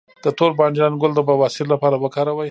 د تور بانجان ګل د بواسیر لپاره وکاروئ